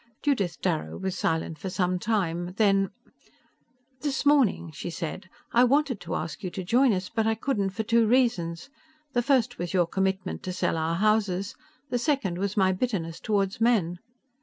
Judith Darrow was silent for some time. Then, "This morning," she said, "I wanted to ask you to join us, but I couldn't for two reasons. The first was your commitment to sell our houses, the second was my bitterness toward men.